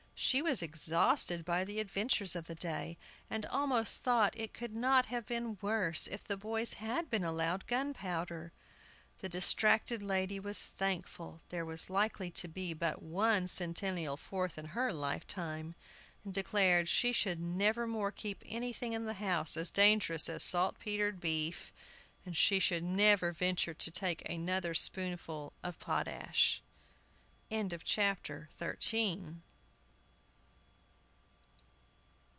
She was exhausted by the adventures of the day, and almost thought it could not have been worse if the boys had been allowed gunpowder. The distracted lady was thankful there was likely to be but one Centennial Fourth in her lifetime, and declared she should never more keep anything in the house as dangerous as saltpetred beef, and she should never venture to take another spoonful of potash.